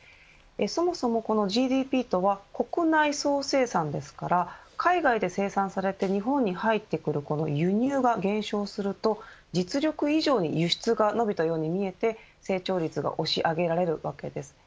そもそも、このＧＤＰとは国内総生産ですから海外で生産されて日本に入ってくる、この輸入が減少すると、実力以上に輸出が伸びたように見えて成長比率が押し上げられるわけです。